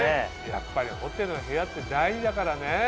やっぱりホテルの部屋って大事だからね。